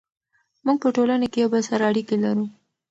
موږ په ټولنه کې یو بل سره اړیکې لرو.